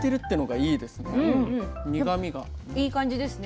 いい感じですね。